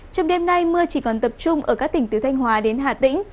trong đêm nay mưa chỉ còn tập trung ở các tỉnh từ thanh hóa đến hà tĩnh